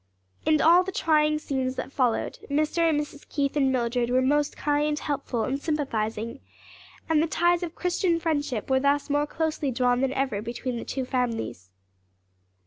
In all the trying scenes that followed, Mr. and Mrs. Keith and Mildred were most kind, helpful and sympathizing, and the ties of Christian friendship were thus more closely drawn than ever between the two families.